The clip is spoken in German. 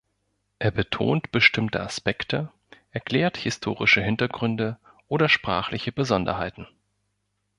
Er betont bestimmte Aspekte, erklärt historische Hintergründe oder sprachliche Besonderheiten.